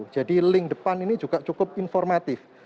jadi link depan ini juga cukup informatif